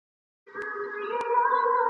خو چي پام یې سو څلورو نرۍ پښو ته !.